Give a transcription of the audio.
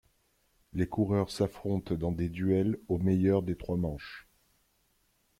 Les coureurs s'affrontent dans des duels au meilleur des trois manches.